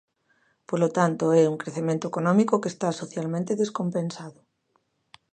Polo tanto, é un crecemento económico que está socialmente descompensado.